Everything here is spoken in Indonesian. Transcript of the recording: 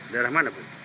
daerah mana pak